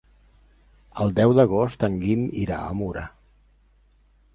El deu d'agost en Guim irà a Mura.